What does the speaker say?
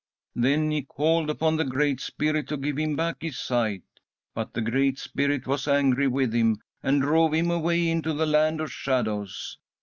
"Then he called upon the Great Spirit to give him back his sight, but the Great Spirit was angry with him, and drove him away into the Land of Shadows.